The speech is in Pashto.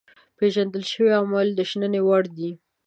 پيژندل شوي عوامل د شنني وړ دي.